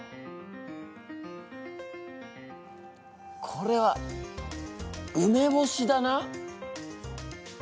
これは梅干しだな？